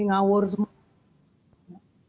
ini ngawur semua